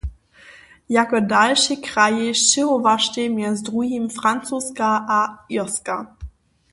Jako dalšej krajej sćěhowaštej mjez druhim Francoska a Irska.